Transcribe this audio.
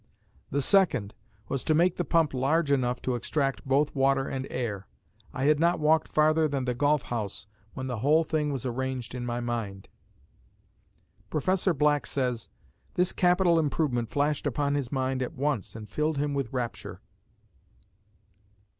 The second was to make the pump large enough to extract both water and air ... I had not walked farther than the golf house when the whole thing was arranged in my mind. Professor Black says, "This capital improvement flashed upon his mind at once and filled him with rapture."